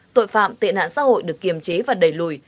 tội phạm tiện hạn xã hội được kiềm chế và đẩy lùi